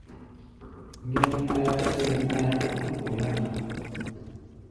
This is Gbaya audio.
Ŋgɛlɛŋ a̧ yaká, ŋgɛlɛŋ a̧ yaká, a̧ dúk oi-áa ná.